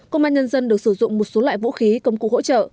công an nhân dân được sử dụng một số loại vũ khí công cụ hỗ trợ